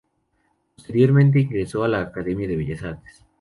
Posteriormente ingresó a la Academia de Bellas Artes.